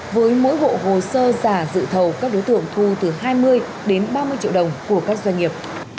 với mỗi hộ hồ sơ giả dự thầu các đối tượng thu từ hai mươi đến ba mươi triệu đồng của các doanh nghiệp